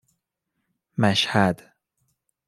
مشهد